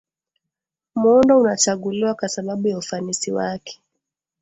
muundo unachaguliwa kwa sababu ya ufanisi wake